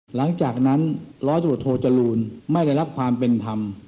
หลังจากนั้นรศศธจรูลไม่ได้รับความเป็นธรรม